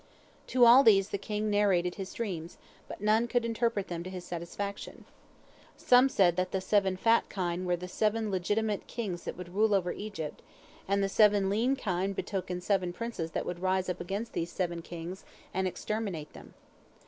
To all these the king narrated his dreams, but none could interpret them to his satisfaction. Some said that the seven fat kine were the seven legitimate kings that would rule over Egypt, and the seven lean kine betokened seven princes that would rise up against these seven kings and exterminate them.